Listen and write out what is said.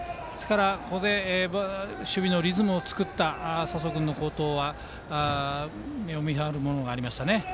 ここで守備のリズムを作った佐宗君の好投は目を見張るものがありましたね。